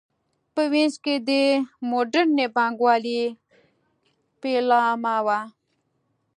په وینز کې د موډرنې بانک والۍ پیلامه وه.